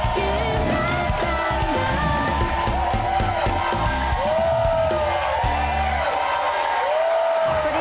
เกมรับท่านน้ำ